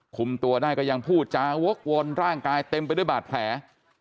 คุมตัวได้ก็ยังพูดจาวกวนร่างกายเต็มไปด้วยบาดแผล